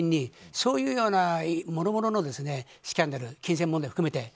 そういうもろもろのスキャンダル、金銭問題を含めて。